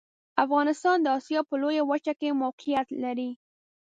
افغانستان د اسیا په لویه وچه کې موقعیت لري.